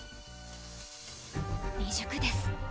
未熟です